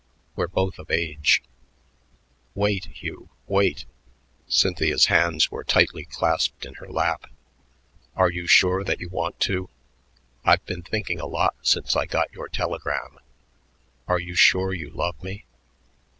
We're both of age " "Wait, Hugh; wait." Cynthia's hands were tightly clasped in her lap. "Are you sure that you want to? I've been thinking a lot since I got your telegram. Are you sure you love me?"